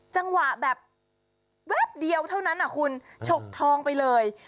จังหวะแบบแวบเดียวเท่านั้นคุณฉกทองไปเลย